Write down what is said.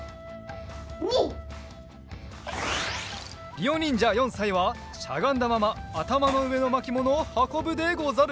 りおにんじゃ４さいはしゃがんだままあたまのうえのまきものをはこぶでござる！